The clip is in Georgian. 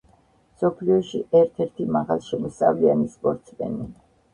მსოფლიოში ერთ-ერთი მაღალშემოსავლიანი სპორტსმენი.